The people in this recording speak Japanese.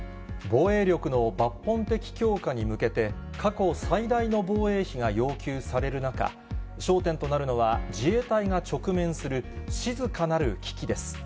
防衛力の抜本的強化に向けて、過去最大の防衛費が要求される中、焦点となるのは、自衛隊が直面する静かなる危機です。